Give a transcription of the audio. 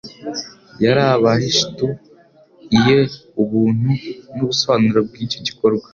Yari abahishtu-iye ubuntu n'ubusobanuro bw'icyo gikorwa,